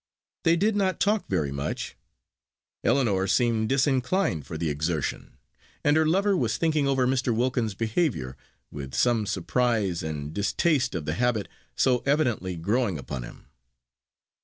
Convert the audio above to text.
They did not talk very much; Ellinor seemed disinclined for the exertion; and her lover was thinking over Mr. Wilkins's behaviour, with some surprise and distaste of the habit so evidently growing upon him.